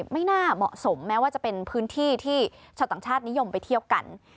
ไม่น่าเหมาะสมแม้ว่าจะเป็นพื้นที่ที่ชาวต่างชาตินิยมไปเที่ยวกัน